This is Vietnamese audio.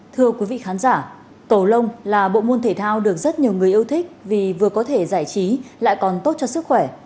thưa quý vị khán giả cầu lông là bộ môn thể thao được rất nhiều người yêu thích vì vừa có thể giải trí lại còn tốt cho sức khỏe